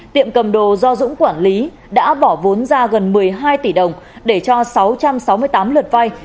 tiệm cầm đồ do dũng quản lý đã bỏ vốn ra gần một mươi hai tỷ đồng để cho sáu trăm sáu mươi tám lượt vay